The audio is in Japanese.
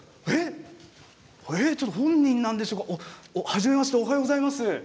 本人なんでしょうかはじめましておはようございます。